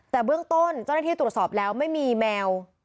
แต่เบื้องต้นเจ้าหน้าที่ตรวจสอบแล้วไม่มีแมว